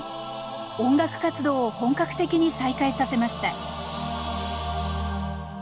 音楽活動を本格的に再開させました